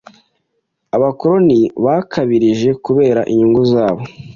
Abakoloni bakabirije kubera inyungu zabo.